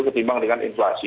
ketimbang dengan inflasi